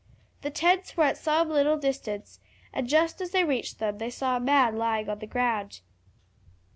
The tents were at some little distance, and just as they reached them they saw a man lying on the ground.